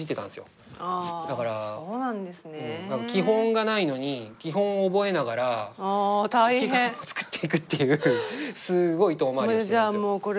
基本がないのに基本を覚えながら機械を作っていくっていうすごい遠回りをしてたんですよ。